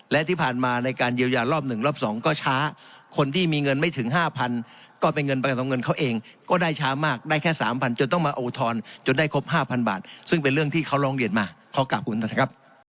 และที่ผ่านมาในการเยียวยารอบ๑รอบ๒ก็ช้าคนที่มีเงินไม่ถึง๕๐๐ก็เป็นเงินประกันของเงินเขาเองก็ได้ช้ามากได้แค่๓๐๐จนต้องมาโอทอนจนได้ครบ๕๐๐บาทซึ่งเป็นเรื่องที่เขาร้องเรียนมาขอกลับคุณท่านครับ